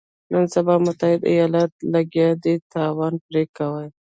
نن سبا متحده ایالتونه لګیا دي تاوان پرې کوي.